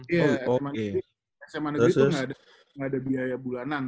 iya sma negeri tuh ga ada biaya bulanan